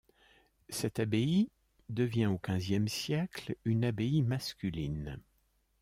Cette abbaye devient au quinzième siècle une abbaye masculine.